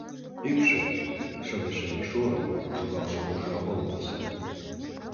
Ӱпшӧ шыве-шыве шуын шогалше уржа олым тӱсан.